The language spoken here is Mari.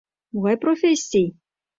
Могай профессий?